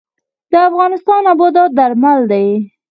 د افغانستان نباتات درمل دي